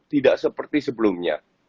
tidak seperti sebelumnya